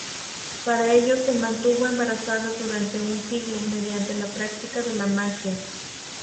Para ello se mantuvo embarazada durante un siglo, mediante la práctica de la magia.